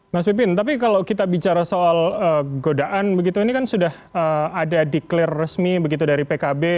mas pimpin tapi kalau kita bicara soal godaan ini kan sudah ada diklir resmi dari pkb